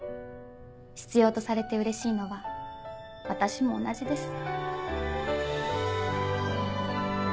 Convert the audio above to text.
必要とされてうれしいのは私も同じです。